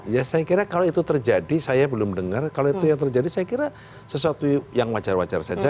ya saya kira kalau itu terjadi saya belum dengar kalau itu yang terjadi saya kira sesuatu yang wajar wajar saja